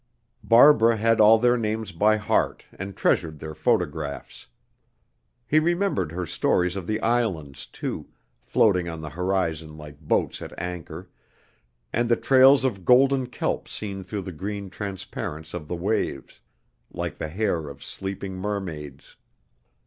Barbara had all their names by heart and treasured their photographs. He remembered her stories of the islands, too, floating on the horizon like boats at anchor; and the trails of golden kelp seen through the green transparence of the waves, like the hair of sleeping mermaids.